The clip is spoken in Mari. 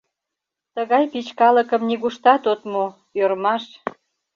— Тыгай пич калыкым нигуштат от му — ӧрмаш.